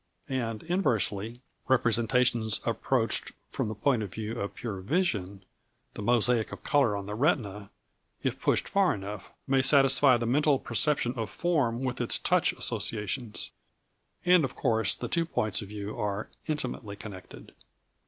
And inversely, representations approached from the point of view of pure vision, the mosaic of colour on the retina, if pushed far enough, may satisfy the mental perception of form with its touch associations. And of course the two points of view are intimately connected.